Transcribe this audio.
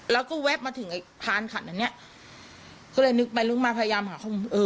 แล้วก็แวบมาถึงไอ้พานขันอันเนี้ยก็เลยนึกไปนึกมาพยายามหาข้อมูลเออ